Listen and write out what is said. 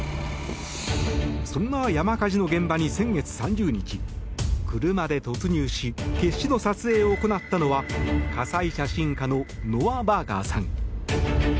そんな山火事の現場に先月３０日車で突入し決死の撮影を行ったのは火災写真家のノア・バーガーさん。